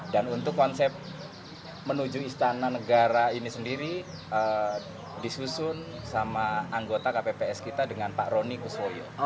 dan untuk konsep menuju istana negara ini sendiri disusun sama anggota kpps kita dengan pak roni kuswoyo